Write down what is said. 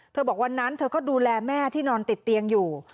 บอกวันนั้นเธอก็ดูแลแม่ที่นอนติดเตียงอยู่